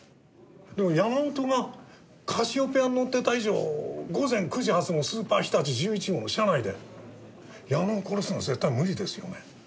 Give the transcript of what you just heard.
でも山本がカシオペアに乗ってた以上午前９時発のスーパーひたち１１号の車内で矢野を殺すのは絶対無理ですよね。